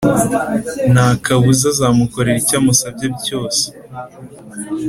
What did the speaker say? ntakabuza azamukorera icyamusabye cyose.